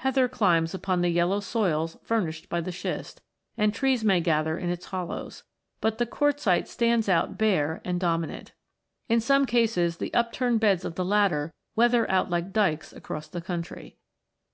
Heather climbs upon the yellow soils furnished by the schist, and trees may gather in its hollows; but the quartzite stands out bare and dominant. In some cases the upturned beds of the latter weather out like dykes across the country.